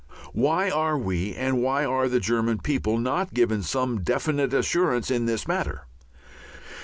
Why are we, and why are the German people, not given some definite assurance in this matter?